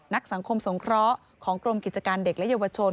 นักสังคมสงเคราะห์ของกรมกิจการเด็กและเยาวชน